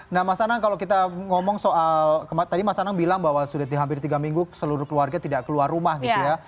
nah mas anang kalau kita ngomong soal tadi mas anang bilang bahwa sudah hampir tiga minggu seluruh keluarga tidak keluar rumah gitu ya